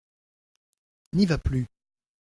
N’y va plus.